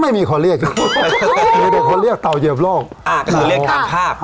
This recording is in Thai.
ไม่มีคนเรียกด้วยมีแต่คนเรียกเตาเหยียบโลกอ่าก็คือเรียกตามภาพ